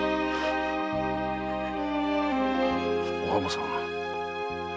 お浜さん。